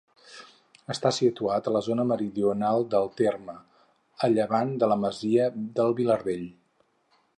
Està situada a la zona meridional del terme, a llevant de la masia del Vilardell.